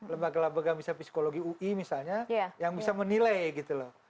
lembaga lembaga misalnya psikologi ui misalnya yang bisa menilai gitu loh